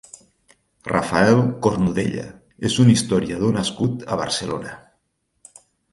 Rafael Cornudella és un historiador nascut a Barcelona.